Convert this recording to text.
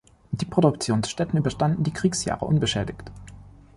Die Produktionsstätten überstanden die Kriegsjahre unbeschädigt.